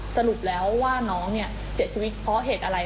สรุปแล้วว่าน้องเนี่ยเสียชีวิตเพราะเหตุอะไร